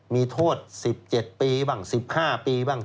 มีโทษ๑๗ปีบ้าง๑๕ปีบ้าง